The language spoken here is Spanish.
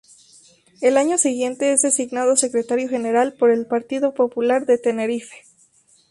Al año siguiente es designado secretario general del Partido Popular de Tenerife.